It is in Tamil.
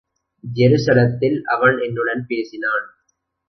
ஜெருசலத்தில் அவன் என்னுடன் பேசினான்.